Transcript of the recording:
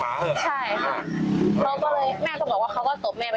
แม่ก็เลยตบคืนแล้วทีนี้ก็เหมือนเขาก็เลยทำเลยค่ะ